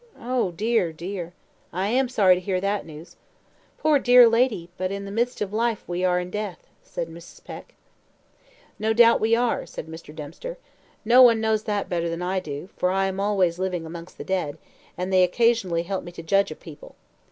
Oh, dear, dear! I am sorry to hear that news. Poor, dear lady; but in the midst of life we are in death," said Mrs. Peck. "No doubt we are," said Mr. Dempster. "No one knows that better than I do, for I am always living amongst the dead, and they occasionally help me to judge of people.